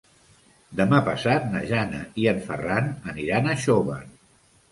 Demà passat na Jana i en Ferran aniran a Xóvar.